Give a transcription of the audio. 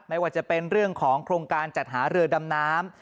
ไม่ว่าจะเป็นเรื่องของโครงการจัดหาเรือดำน้ำ